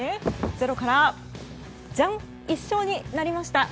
ゼロから、１勝になりました！